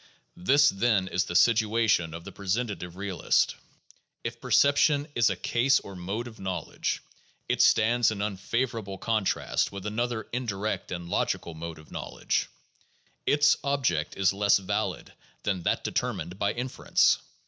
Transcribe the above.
This, then, is the situation of the presentative realist : If perception is a case or mode of knowledge, it stands in un favorable contrast with another indirect and logical mode of knowl edge; its object is less valid than that determined by inference.